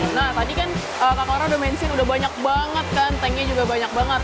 nah tadi kan kak kora udah mention udah banyak banget kan tanknya juga banyak banget